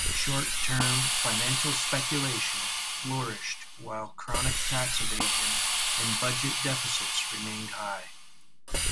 Short-term financial speculation flourished, while chronic tax evasion and budget deficits remained high.